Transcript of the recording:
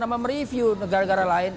mem review negara negara lain